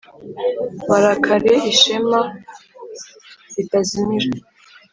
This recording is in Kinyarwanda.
Barakare ishema ritazimira